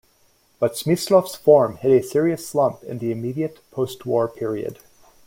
But Smyslov's form hit a serious slump in the immediate post-war period.